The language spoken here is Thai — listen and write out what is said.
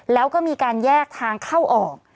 แล้วก็มีการแยกทางเข้าออก